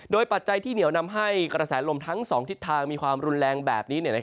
ปัจจัยที่เหนียวนำให้กระแสลมทั้ง๒ทิศทางมีความรุนแรงแบบนี้